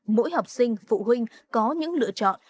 mỗi học sinh phụ huynh có những lựa chọn